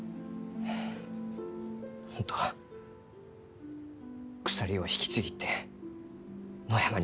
本当は鎖を引きちぎって野山に行きたい。